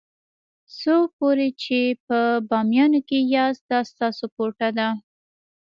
څو پورې چې په بامیانو کې یاست دا ستاسو کوټه ده.